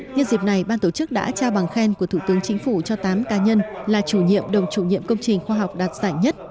nhân dịp này ban tổ chức đã trao bằng khen của thủ tướng chính phủ cho tám ca nhân là chủ nhiệm đồng chủ nhiệm công trình khoa học đạt giải nhất